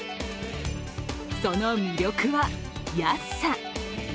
その魅力は安さ。